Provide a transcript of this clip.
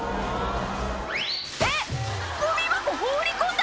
「えっゴミ箱放り込んだ⁉